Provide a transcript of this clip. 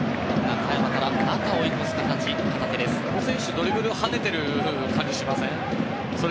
ドリブルがはねている感じがしませんか、久保選手。